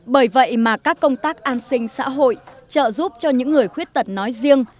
bởi vậy mà các công tác an sinh xã hội trợ giúp cho những người khuyết tật nói riêng